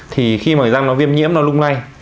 thì khi mà răng nó viêm nhiễm nó lung lay